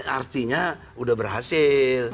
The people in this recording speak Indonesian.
artinya sudah berhasil